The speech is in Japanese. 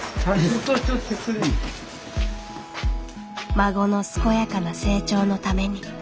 孫の健やかな成長のために。